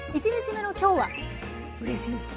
１日目の今日はうれしい。